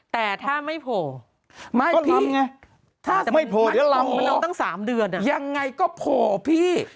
แต่ถ้าไม่โผล่ก็ลำไงถ้าไม่โผล่เดี๋ยวลำยังไงก็โผล่พี่